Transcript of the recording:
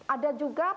ada juga potensi